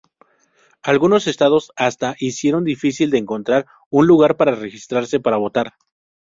Algunos estados hasta hicieron difícil de encontrar un lugar para registrarse para votar.